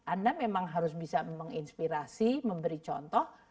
anda memang harus bisa menginspirasi memberi contoh